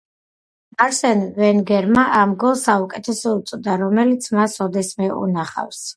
არსენ ვენგერმა ამ გოლს საუკეთესო უწოდა რომელიც მას ოდესმე უნახავს.